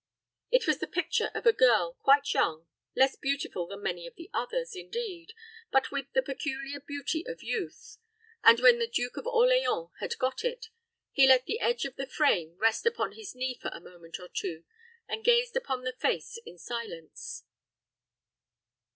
It was the picture of a girl quite young, less beautiful than many of the others, indeed, but with the peculiar beauty of youth; and when the Duke of Orleans had got it, he let the edge of the frame rest upon his knee for a moment or two, and gazed upon the face in silence.